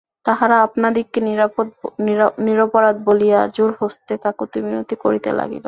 তাহারা আপনাদিগকে নিরপরাধ বলিয়া জোড়হস্তে কাকুতিমিনতি করিতে লাগিল।